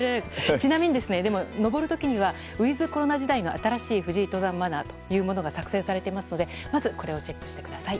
ちなみに、登る時にはウィズコロナ時代の新しい富士登山マナーというものが作成されていますのでまずこれをチェックしてください。